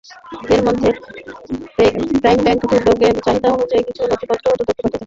এদের মধ্যে Prime Bank দুদকের চাহিদা অনুযায়ী কিছু নথিপত্র দুদকে পাঠিয়েছে।